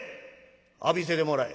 「浴びせてもらえ」。